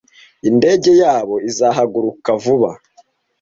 Indege yabo izahaguruka vuba.